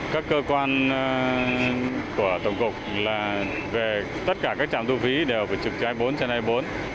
các cơ quan của tổng cục về tất cả các trạm thu phí đều phải trực trai bốn trên hai mươi bốn